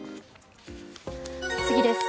次です。